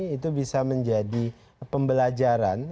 itu bisa menjadi pembelajaran